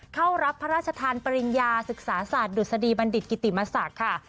เข้ารับพระราชทานปริญญาศึกษาศาสตร์ดุษฎีบัณฑิตกิติมศักดิ์ค่ะ